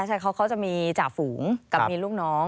ใช่เขาจะมีจ่าฝูงกับมีลูกน้อง